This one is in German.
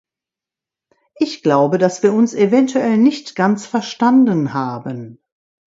Ich glaube, dass wir uns eventuell nicht ganz verstanden haben.